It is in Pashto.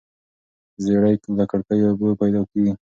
زیړی له ککړو اوبو پیدا کیږي.